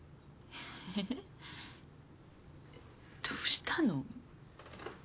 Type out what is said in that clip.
どうしたの？